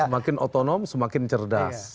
semakin otonom semakin cerdas